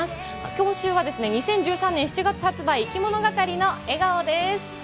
今週はですね、２０１３年７月発売、いきものがかりの笑顔です。